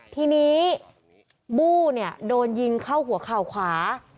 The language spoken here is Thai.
ทีนี้บู้โดนยิงเข้าหัวเข่าขวา